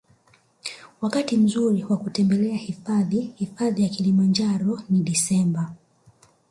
Wakati mzuri wa kutembelea hifadhi hifadhi ya kilimanjaro ni desemba